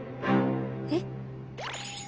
えっ！？